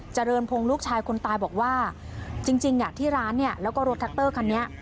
เจริญพงศ์ลูกชายคนตายบอกว่าจริงที่ร้านเนี่ยแล้วก็รถแท็กเตอร์คันนี้